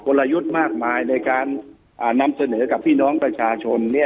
ลยุทธ์มากมายในการนำเสนอกับพี่น้องประชาชน